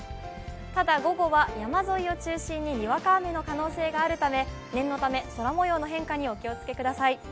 ただ、午後は山沿いを中心ににわか雨の可能性があるため、念のため空模様の変化にお気をつけください。